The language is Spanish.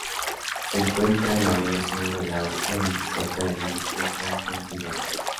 Se encuentra en la orilla sur del lago Erie, cerca del límite con Pensilvania.